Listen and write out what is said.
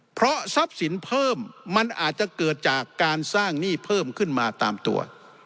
เพราะทรัพย์สินเพิ่มมันอาจจะเกิดจากการสร้างหนี้เพิ่มขึ้นมาตามตัว